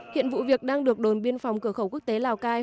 hiện vụ việc đang được đồn biên phòng cửa khẩu quốc tế lào cai